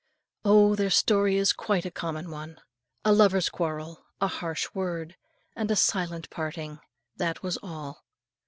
Oh! their story is quite a common one, a lover's quarrel, a harsh word, and a silent parting: that was all.